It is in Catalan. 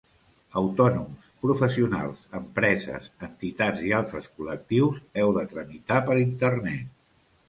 Autònoms, professionals, empreses, entitats i altres col·lectius heu de tramitar per internet.